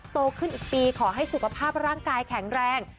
โตขึ้นอีกปีขอให้สุขภาพร่างกายแข็งแรง